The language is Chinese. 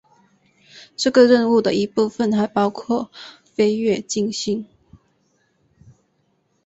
这个任务的一部分还包括飞越金星。